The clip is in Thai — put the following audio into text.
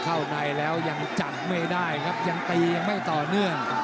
เข้าในแล้วยังจับไม่ได้ครับยังตียังไม่ต่อเนื่อง